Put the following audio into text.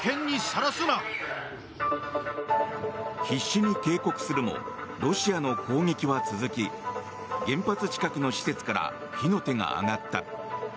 必死に警告するもロシアの攻撃は続き原発近くの施設から火の手が上がった。